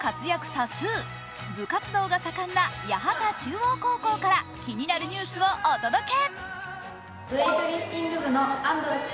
多数、部活動が盛んな八幡中央高校から気になるニュースをお届け。